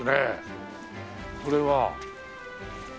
これは。